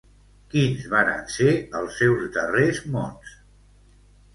Quins varen ser els seus darrers mots?